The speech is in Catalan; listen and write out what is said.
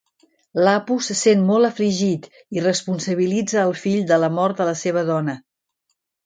L'Apu se sent molt afligit i responsabilitza el fill de la mort de la seva dona.